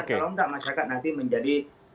kalau enggak masyarakat nanti menjadi